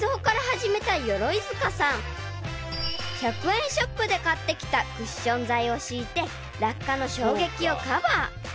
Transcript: ［１００円ショップで買ってきたクッション材を敷いて落下の衝撃をカバー］